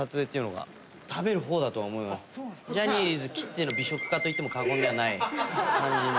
ジャニーズきっての美食家といっても過言ではない感じの。